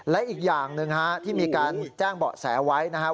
และอีกอย่างหนึ่งที่มีการแจ้งเบาะแสไว้นะครับ